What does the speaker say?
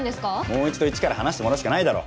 もう一度一から話してもらうしかないだろ。